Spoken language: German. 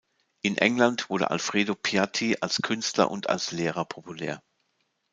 In England wurde Alfredo Piatti als Künstler und als Lehrer populär.